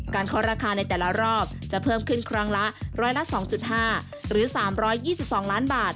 เคาะราคาในแต่ละรอบจะเพิ่มขึ้นครั้งละร้อยละ๒๕หรือ๓๒๒ล้านบาท